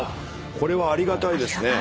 これはありがたいですね。